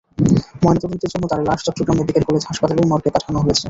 ময়নাতদন্তের জন্য তাঁর লাশ চট্টগ্রাম মেডিকেল কলেজ হাসপাতালের মর্গে পাঠানো হয়েছে।